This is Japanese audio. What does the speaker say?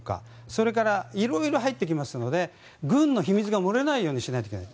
それから色々入ってきますので軍の秘密が漏れないようにしないといけない。